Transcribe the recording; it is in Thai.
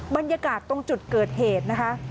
บรรยากาศตรงจุดเกิดเหตุนะคะ